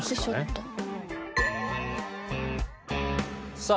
さあ